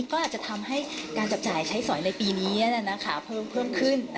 ก็อาจจะทำให้การจับจ่ายใช้สอยในปีนี้เพิ่มขึ้น